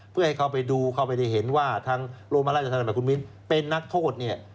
เพื่อให้เข้าไปดูเข้าไปได้เห็นว่าทางโรงพยาบาลราชธรรมกับคุณมิ้นเป็นนักโทษเนี่ย